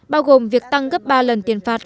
bao gồm việc tăng gấp ba lần tiền phạt